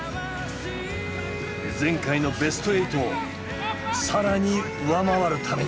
前回のベストエイトを更に上回るために。